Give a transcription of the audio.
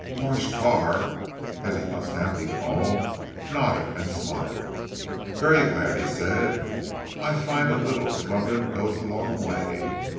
Marsh Carr (as he must now be called) nodded and smiled. "Very glad," he said. "I find a little of London goes a long way.